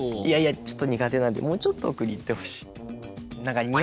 いやいやちょっと苦手なんでもうちょっと奥に行ってほしい。